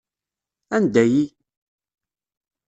Anda-yi?